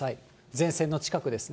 前線の近くですね。